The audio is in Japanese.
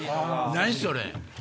何それ！